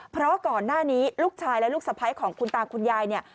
เพราะก่อนหน้านี้ลูกชายและลูกสะพ้ายของคุณตาคุณยายเนี่ย